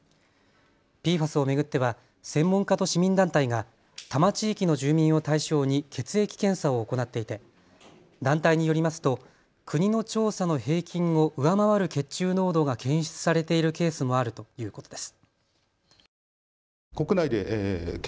ＰＦＡＳを巡っては専門家と市民団体が多摩地域の住民を対象に血液検査を行っていて団体によりますと国の調査の平均を上回る血中濃度が検出されているケースもあるということです。